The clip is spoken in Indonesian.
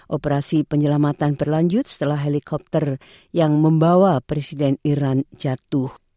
operasi penyelamatan berlanjut setelah helikopter yang membawa presiden iran jatuh